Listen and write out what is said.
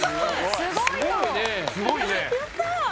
すごいよ！